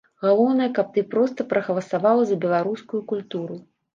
Галоўнае, каб ты проста прагаласаваў за беларускую культуру.